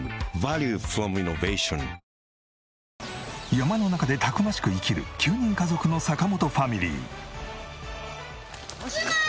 山の中でたくましく生きる９人家族の坂本ファミリー。